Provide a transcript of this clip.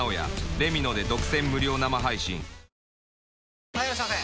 すごい・はいいらっしゃいませ！